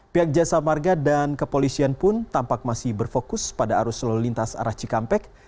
pihak jasa marga dan kepolisian pun tampak masih berfokus pada arus lalu lintas arah cikampek